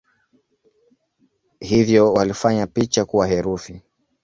Hivyo walifanya picha kuwa herufi.